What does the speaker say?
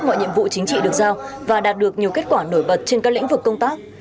mọi nhiệm vụ chính trị được giao và đạt được nhiều kết quả nổi bật trên các lĩnh vực công tác